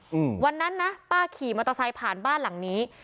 อืมวันนั้นนะป้าขี่มอเตอร์ไซค์ผ่านบ้านหลังนี้